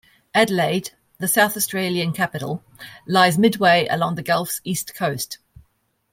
Adelaide, the South Australian capital, lies midway along the gulf's east coast.